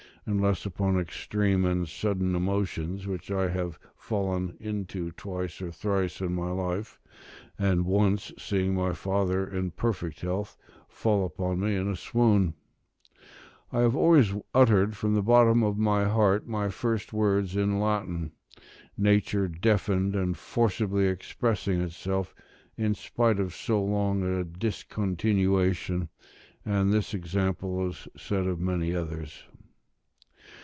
Unless upon extreme and sudden emotions which I have fallen into twice or thrice in my life, and once seeing my father in perfect health fall upon me in a swoon, I have always uttered from the bottom of my heart my first words in Latin; nature deafened, and forcibly expressing itself, in spite of so long a discontinuation; and this example is said of many others.